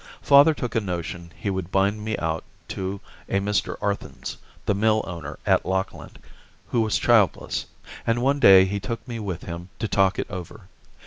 Father took a notion he would bind me out to a Mr. Arthens, the mill owner at Lockland, who was childless, and one day he took me with him to talk it over.